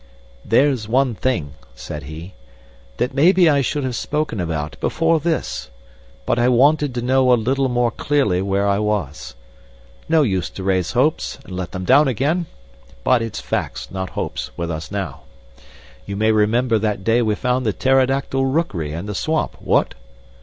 "There's one thing," said he, "that maybe I should have spoken about before this, but I wanted to know a little more clearly where I was. No use to raise hopes and let them down again. But it's facts, not hopes, with us now. You may remember that day we found the pterodactyl rookery in the swamp what?